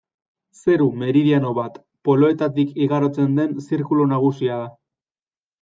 Zeru meridiano bat, poloetatik igarotzen den zirkulu nagusia da.